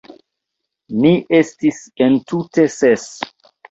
Ni estis entute ses.